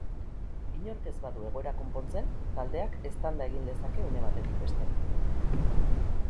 Inork ez badu egoera konpontzen, taldeak eztanda egin lezake une batetik bestera.